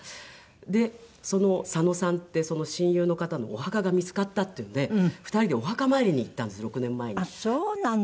でそのサノさんって親友の方のお墓が見つかったっていうので２人でお墓参りに行ったんです６年前に。